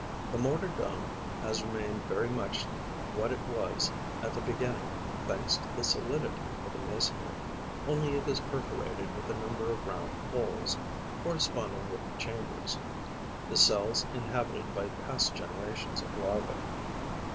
The mortar dome has remained very much what it was at the beginning, thanks to the solidity of the masonry, only it is perforated with a number of round holes, corresponding with the chambers, the cells inhabited by past generations of larvae.